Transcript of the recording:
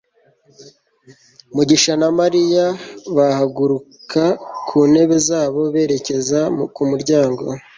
mugisha na mariya bahaguruka ku ntebe zabo berekeza ku muryango